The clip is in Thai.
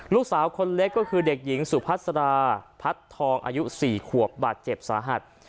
ลูกสาวคนเล็กก็คือเด็กหญิงสุพัสราพัดทองอายุ๔ขวบบาดเจ็บสาหัส